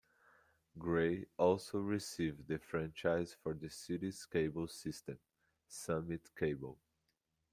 Gray also received the franchise for the city's cable system, Summit Cable.